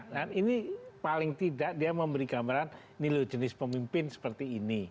dan ini paling tidak dia memberi gambaran nilai jenis pemimpin seperti ini